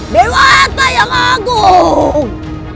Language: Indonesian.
dewa atta yang agung